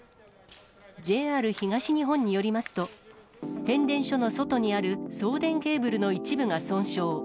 ＪＲ東日本によりますと、変電所の外にある送電ケーブルの一部が損傷。